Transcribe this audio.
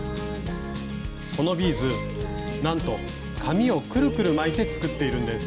このビーズなんと紙をくるくる巻いて作っているんです。